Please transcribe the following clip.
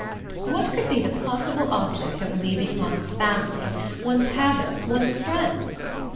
What could be the possible object of leaving one's family, one's habits, one's friends?